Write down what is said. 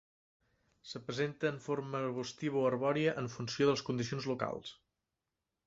Es presenta en forma arbustiva o arbòria en funció de les condicions locals.